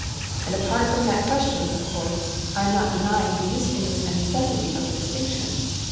And apart from[Pg 21] that question, of course, I am not denying the usefulness and necessity of the distinction.